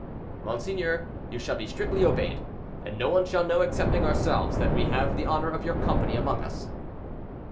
"Monseigneur, you shall be strictly obeyed, and no one shall know excepting ourselves that we have the honor of your company among us."